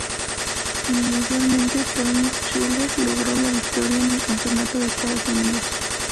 Individualmente, Tom Schuler logró la victoria en el Campeonato de Estados Unidos.